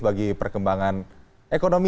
bagi perkembangan ekonomi